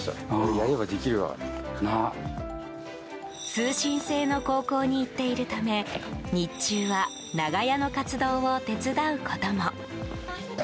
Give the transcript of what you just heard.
通信制の高校に行っているため日中はながやの活動を手伝うことも。